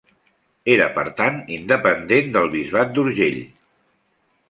Era per tant independent del Bisbat d'Urgell.